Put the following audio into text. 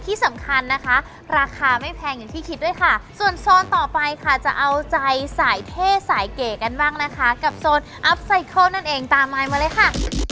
ที่สำคัญนะคะราคาไม่แพงอย่างที่คิดด้วยค่ะส่วนโซนต่อไปค่ะจะเอาใจสายเท่สายเก๋กันบ้างนะคะกับโซนอัพไซเคิลนั่นเองตามไลน์มาเลยค่ะ